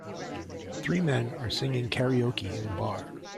Three men are singing karaoke in a bar.